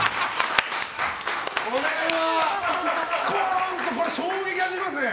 これは、スコーンと衝撃が走りますね。